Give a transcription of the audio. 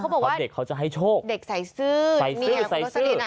เพราะเด็กเขาจะให้โชคเด็กใส่ซื้อใส่ซื้อใส่ซื้อ